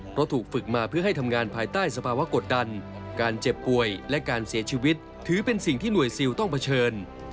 เพราะถูกฝึกมาเพื่อให้ทำงานภายใต้สภาวะกดดันการเจ็บป่วยและการเสียชีวิตถือเป็นสิ่งที่หน่วยซิลต้องเผชิญ